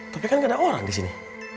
tapi kan gak ada orang disini